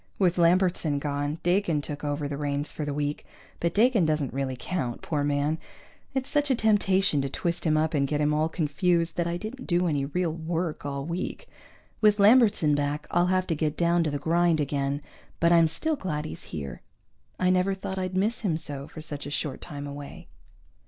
With Lambertson gone, Dakin took over the reins for the week, but Dakin doesn't really count, poor man. It's such a temptation to twist him up and get him all confused that I didn't do any real work all week. With Lambertson back I'll have to get down to the grind again, but I'm still glad he's here. I never thought I'd miss him so, for such a short time away.